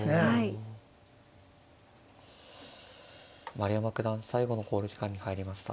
丸山九段最後の考慮時間に入りました。